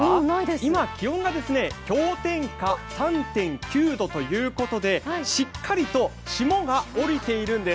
今、気温が氷点下３．９度ということでしっかりと霜が降りているんです。